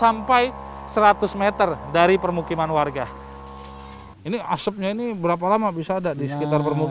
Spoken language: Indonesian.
dan proses pemadaman langsung diintensifkan karena tadi sedikit saja ada angin api langsung merambat ke pohon pohon dan tanaman tanaman yang kondisinya kering